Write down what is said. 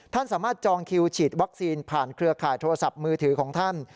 ท่านสามารถจองคิวฉีดวัคซีนผ่านเครือข่ายโทรศัพท์มือถือของท่าน